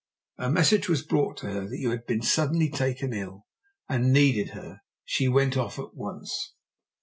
A message was brought to her that you had been suddenly taken ill and needed her. She went off at once."